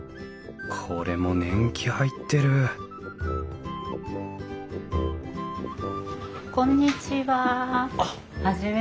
これも年季入ってるこんにちは。